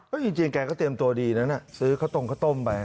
ก็จริงแกก็เตรียมตัวดีนั้นซื้อข้าวตรงข้าวต้มไป